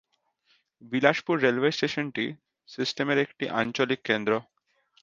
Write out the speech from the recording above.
Bilaspur railway স্টেশনটি সিস্টেমের একটি আঞ্চলিক কেন্দ্র।